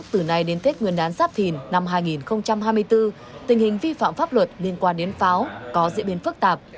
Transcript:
từ nay đến tết nguyên đán giáp thìn năm hai nghìn hai mươi bốn tình hình vi phạm pháp luật liên quan đến pháo có diễn biến phức tạp